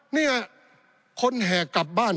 เนี่ยคนแห่กลับบ้าน